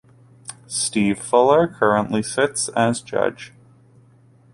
Steve Fuller currently sits as Judge.